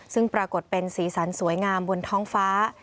ซึ่งปรากฏเป็นสีสันสวยงามบนท้องฟ้า